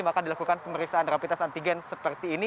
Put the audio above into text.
maka dilakukan pemeriksaan rapid test antigen seperti ini